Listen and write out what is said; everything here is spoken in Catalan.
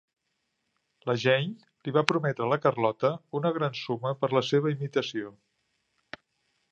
La Jane li va prometre a la Carlotta una gran suma per la seva imitació.